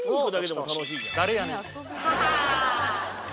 誰やねん。